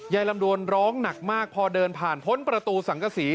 ลำดวนร้องหนักมากพอเดินผ่านพ้นประตูสังกษี